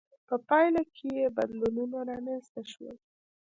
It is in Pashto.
په پایله کې بدلونونه رامنځته شول.